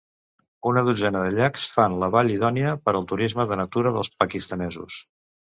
Una dotzena de llacs fan la vall idònia per al turisme de natura dels pakistanesos.